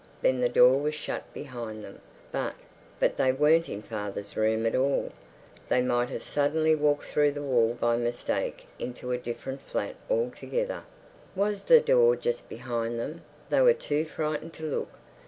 Then the door was shut behind them, but—but they weren't in father's room at all. They might have suddenly walked through the wall by mistake into a different flat altogether. Was the door just behind them? They were too frightened to look.